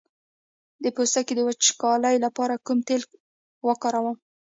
د پوستکي د وچوالي لپاره کوم تېل وکاروم؟